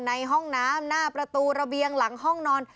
ในห้องน้ำหน้าประตูระเบียงหลังห้องนอน